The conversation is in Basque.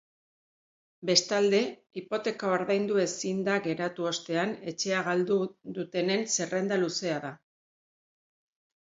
Bestalde, hipoteka ordaindu ezinda geratu ostean etxea galdu dutenen zerrenda luzea da.